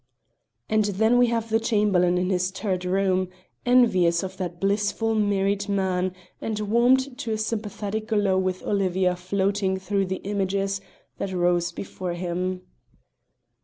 And then we have the Chamberlain in his turret room, envious of that blissful married man, and warmed to a sympathetic glow with Olivia floating through the images that rose before him.